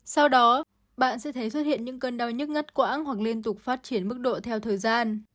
sau đó bạn sẽ thấy xuất hiện những cơn đau nhất ngất quãng hoặc liên tục phát triển mức độ theo thời gian